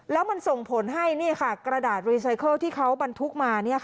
แล้วมันส่งผลให้กระดาษรีไซเคิลที่เขาบรรทุกมา